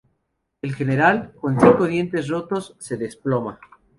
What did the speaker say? El general, con cinco dientes rotos, se desploma.